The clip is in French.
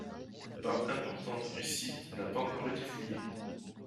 Une part importante du site n'a pas encore été fouillé.